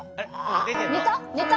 ねた？